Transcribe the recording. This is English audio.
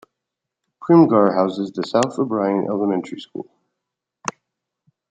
Primghar houses the South O'Brien Elementary School.